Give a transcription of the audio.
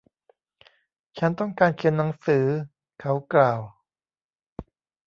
ฉันต้องการเขียนหนังสือ เขากล่าว